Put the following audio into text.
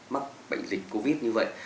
mắc bệnh dịch covid như vậy